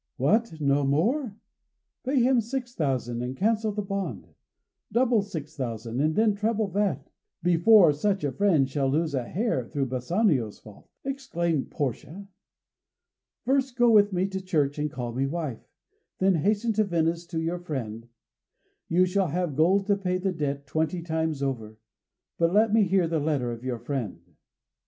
"What! no more? Pay him six thousand and cancel the bond. Double six thousand, and then treble that, before such a friend shall lose a hair through Bassanio's fault!" exclaimed Portia. "First go with me to church and call me wife, then hasten to Venice, to your friend. You shall have gold to pay the debt twenty times over.... But let me hear the letter of your friend."